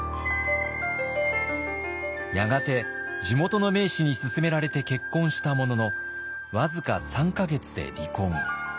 やがて地元の名士に勧められて結婚したものの僅か３か月で離婚。